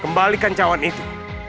kembalikan cawan itu